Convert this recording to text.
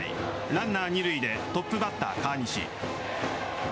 ランナー二塁でトップバッター川西。